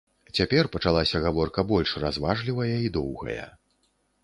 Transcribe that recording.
Цяпер пачалася гаворка больш разважлівая і доўгая.